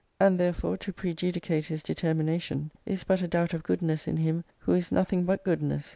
And therefore to prejudicate his determination is but a doubt of goodness in him who is nothing but goodness.